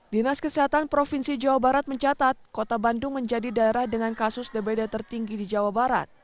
dinas kesehatan provinsi jawa barat mencatat kota bandung menjadi daerah dengan kasus dbd tertinggi di jawa barat